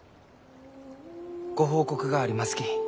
ご報告がありますき。